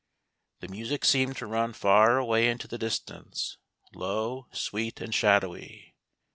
The music seemed to run far away into the distance, low, sweet and shadowy.